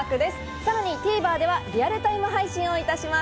さらにＴＶｅｒではリアルタイム配信をいたします。